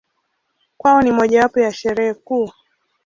Kwao ni mojawapo ya Sherehe kuu.